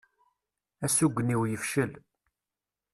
Asugen-iw yefcel.